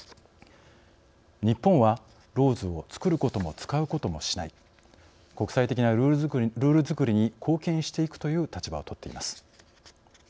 日本はＬＡＷＳを造ることも使うこともしない国際的なルールづくりに貢献していくという立場をとっています。